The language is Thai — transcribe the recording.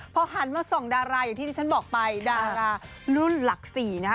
พอหันมาส่องดาราอย่างที่ที่ฉันบอกไปดารารุ่นหลัก๔นะฮะ